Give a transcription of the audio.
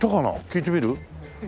聞いてみる？